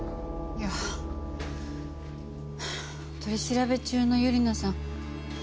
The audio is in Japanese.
いや取り調べ中のゆり菜さん